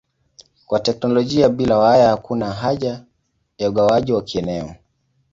Kwa teknolojia bila waya hakuna haja ya ugawaji wa kieneo.